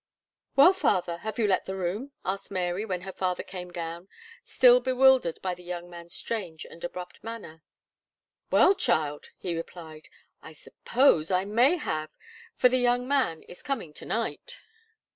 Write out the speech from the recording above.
"Well, father, have you let the room?" asked Mary, when her father came down, still bewildered by the young man's strange and abrupt manner. "Well, child," he replied, "I suppose I may say I have, for the young man is coming to night."